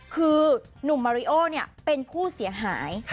คือหนุ่มมาริโอเป็นผู้เสียหาย